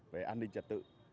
về an ninh trật tự